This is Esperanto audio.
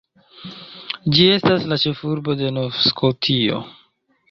Ĝi estas la ĉefurbo de Nov-Skotio.